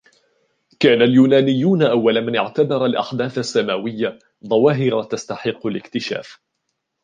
كان اليونانيون أول من اعتبر الأحداث السماوية ظواهر تستحق الاكتشاف